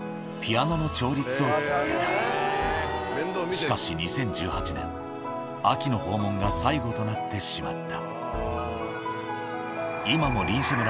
しかし２０１８年秋の訪問が最後となってしまった